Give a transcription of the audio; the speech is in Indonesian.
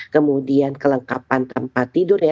kemudian kelengkapan tempat tidur ya